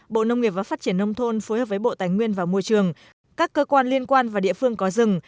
bộ nông nghiệp và phát triển nông thôn phối hợp với bộ tài nguyên và môi trường các cơ quan liên quan và địa phương có rừng